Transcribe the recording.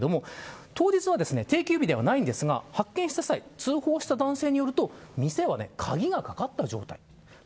当日は定休日ではないのですが発見した際は通報した男性によると店には鍵がかかった状態でした。